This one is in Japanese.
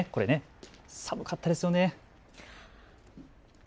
寒かったですよね。